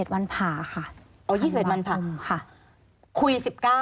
๒๑วันผ่าค่ะอ๋อ๒๑วันผ่าคุย๑๙